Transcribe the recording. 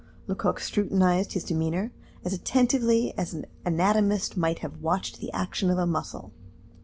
Lecoq scrutinized his demeanor as attentively as an anatomist might have watched the action of a muscle.